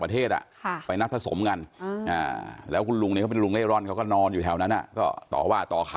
ประเทศอ่ะค่ะไปนัดผสมกันอืมอ่าแล้วคุณลุงเนี่ยเขา